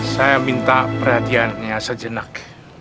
saya minta perhatiannya sejenak